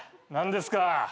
何ですか。